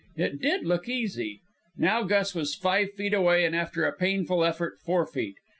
It did look easy. Now Gus was five feet away, and after a painful effort, four feet.